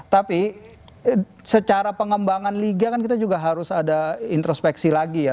tapi secara pengembangan liga kan kita juga harus ada introspeksi lagi ya